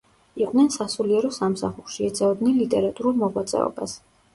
იყვნენ სასულიერო სამსახურში, ეწეოდნენ ლიტერატურულ მოღვაწეობას.